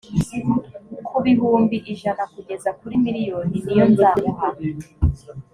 ku bihumbi ijana kugeza kuri miliyoni niyo nzamuha